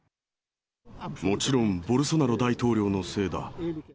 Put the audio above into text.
もちろんボルソナロ大統領のせいだ。